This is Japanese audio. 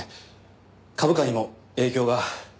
株価にも影響が。